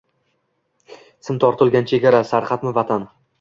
Sim tortilgan chegara – sarhadmi Vatan?